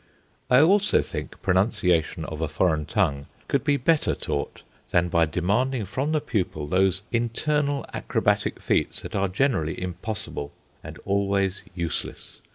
I also think pronunciation of a foreign tongue could be better taught than by demanding from the pupil those internal acrobatic feats that are generally impossible and always useless.